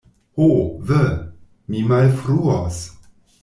Ho, ve! mi malfruos!